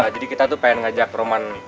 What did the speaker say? jadi kita tuh pengen ngajak roman